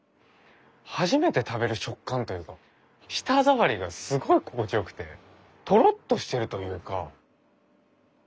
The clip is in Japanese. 初めて食べる食感というか舌触りがすごい心地よくてとろっとしてるというか。